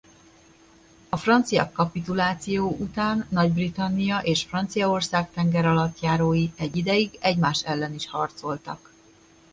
A francia kapituláció után Nagy-Britannia és Franciaország tengeralattjárói egy ideig egymás ellen is harcoltak.